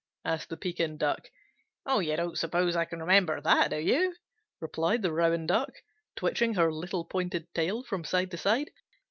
asked the Pekin Duck. "You don't suppose I can remember that, do you?" replied the Rouen Duck, twitching her little pointed tail from side to side.